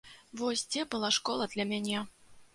Вось дзе была школа для мяне!